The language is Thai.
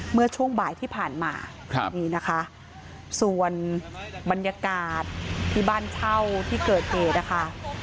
เมื่อช่วงบ่ายที่ผ่านมานี่นะคะส่วนบรรยากาศที่บ้านเช่าที่เกิดเหตุนะคะ